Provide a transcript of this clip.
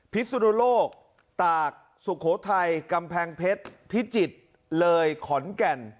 พิสุนุโลกตากสุโขทัยกำแพงเพชรพิจิตรเลยขอนแก่น